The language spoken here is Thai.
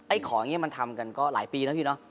ไอ้ของนี้มันทำกันก็หลายปีนะพี่